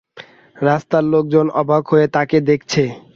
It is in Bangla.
রাস্তার লোকজন অবাক হয়ে তাঁকে দেখছে।